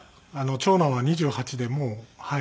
長男は２８でもうはい。